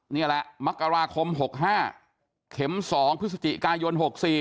นี่แหละมกราคม๖๕เข็ม๒พฤศจิกายน๖๔